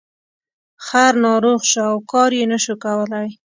خر ناروغ شو او کار یې نشو کولی.